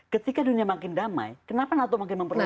ketika dunia makin damai kenapa nato makin memperoleh